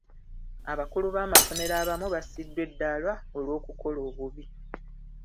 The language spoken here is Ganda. Abakulu b'amasomero abamu bassiddwa eddaala olw'okukola obubi.